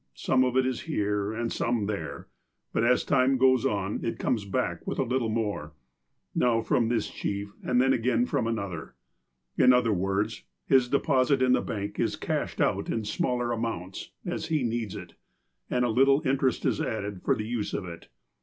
Some of it is here, and some there ; but as time goes on it comes back with a little more, now from this chief, and then again from another. In other words, his de posit in the bank is cashed out in smaller amounts, as he needs it, and a little interest added for the use of it.